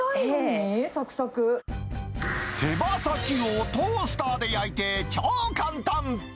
手羽先をトースターで焼いて超簡単。